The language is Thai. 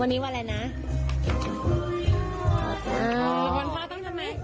มีคนพาตั้งทำไม